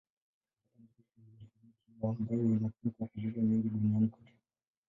Mfano mmojawapo ni alfabeti yao, ambayo inatumika kwa lugha nyingi duniani kote.